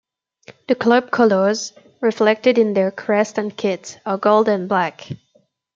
The club colours, reflected in their crest and kit, are gold and black.